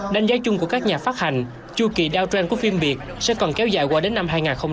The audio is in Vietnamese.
đánh giá chung của các nhà phát hành chua kỳ đao trend của phim việt sẽ còn kéo dài qua đến năm hai nghìn hai mươi bốn